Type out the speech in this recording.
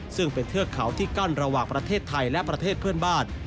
ซึ่งเป็นเทือกเขาที่กั้นระหว่างประเทศไทยและประเทศเพื่อนบ้าน